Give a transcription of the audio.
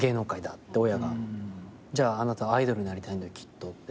「じゃああなたはアイドルになりたいんだよきっと」って。